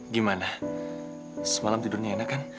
gimana semalam tidurnya enak kan